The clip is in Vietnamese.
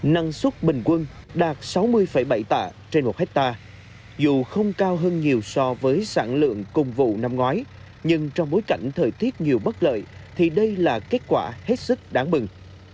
năng suất bình quân đạt sáu mươi bảy tạ trên một hectare dù không cao hơn nhiều so với sản lượng cùng vụ năm ngoái nhưng trong bối cảnh thời tiết nhiều bất lợi thì đây là kết quả hết sức đáng mừng